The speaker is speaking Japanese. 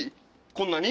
こんなに？